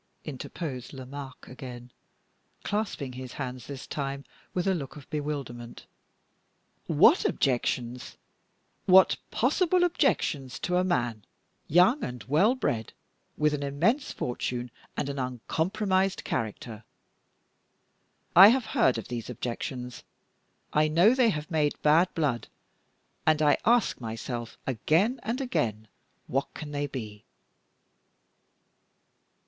interposed Lomaque again, clasping his hands this time with a look of bewilderment; "what objections, what possible objections to a man young and well bred, with an immense fortune and an uncompromised character? I have heard of these objections; I know they have made bad blood; and I ask myself again and again, what can they be?"